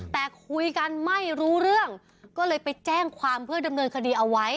แต่คุยกันไม่รู้เรื่องก็เลยไปแจ้งความเพื่อดำเนินคดีเอาไว้